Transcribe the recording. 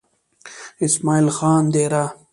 اسمعيل خان ديره